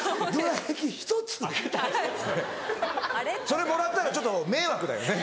それもらったらちょっと迷惑だよね。